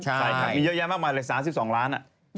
ใช่มีเยอะแยะมากออกมาเลย๓๒ล้าน